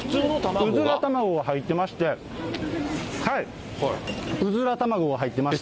ウズラ卵が入ってまして、ウズラ卵が入っていまして。